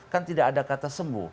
kan tidak ada kata sembuh